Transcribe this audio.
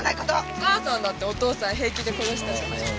お母さんだってお父さん平気で殺したじゃない。